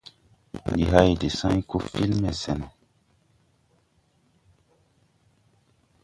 Ndi hày de sãy koo filme sɛn no.